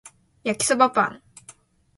焼きそばパン